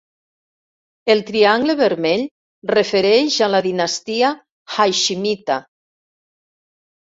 El triangle vermell refereix a la dinastia Haiximita.